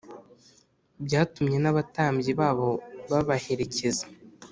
byatumye n’abatambyi babo babaherekeza.